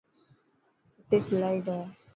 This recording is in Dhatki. اٿي سلائڊ هي .